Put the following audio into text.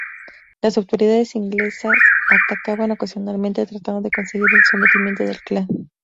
Las autoridades inglesas atacaban ocasionalmente, tratando de conseguir el sometimiento del clan.